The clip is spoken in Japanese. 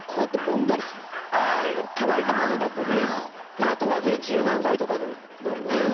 まああとはね柔軟剤とかだよね。